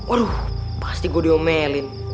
aduh pasti gua diomelin